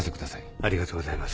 ありがとうございます。